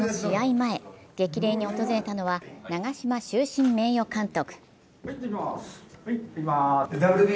前、激励に訪れたのは長嶋終身名誉監督。